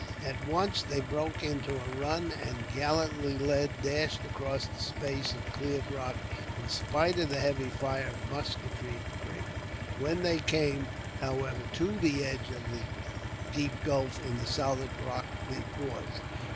At once they broke into a run, and, gallantly led, dashed across the space of cleared rock, in spite of the heavy fire of musketry and grape. When they came, however, to the edge of the deep gulf in the solid rock, they paused.